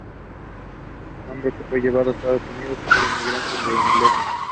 El nombre fue llevado a Estados Unidos por inmigrantes ingleses.